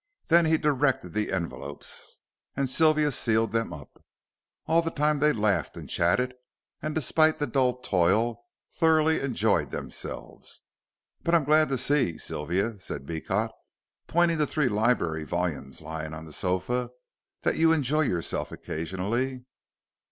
Then he directed the envelopes, and Sylvia sealed them up. All the time they laughed and chatted, and despite the dull toil thoroughly enjoyed themselves. "But I am glad to see, Sylvia," said Beecot, pointing to three library volumes lying on the sofa, "that you enjoy yourself occasionally."